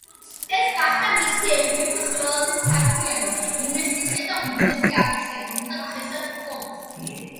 ეს გახდა მისი ერთ-ერთი ყველაზე სარფიანი ინვესტიცია და უდიდესი აქცია, რომელსაც დღესაც ფლობს.